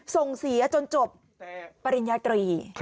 ส่งเสียจนจบปริญญาตรี